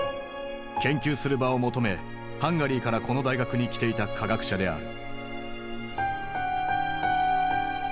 研究する場を求めハンガリーからこの大学に来ていた科学者である。